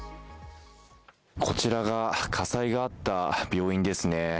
こちらが火災があった病院ですね。